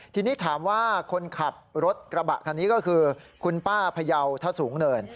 ทีนี้ถามว่าคนขับรถกระบะคันนี้ก็คือคุณป้าพยาวถ้าสูงเนิน